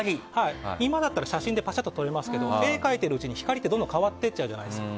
今だったら写真でパシャって撮れますが描いているうち光ってどんどん変わっていっちゃうじゃないですか。